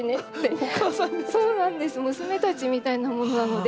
そうなんです娘たちみたいなものなので。